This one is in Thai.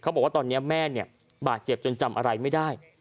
บอกว่าตอนนี้แม่เนี่ยบาดเจ็บจนจำอะไรไม่ได้